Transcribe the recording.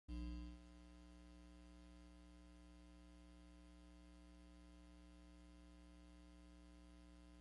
To the south, across the Strait of Alor, lies the western part of Timor.